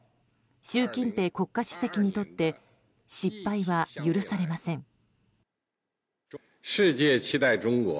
習近平国家主席にとって失敗は許されません。